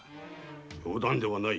冗談ではない。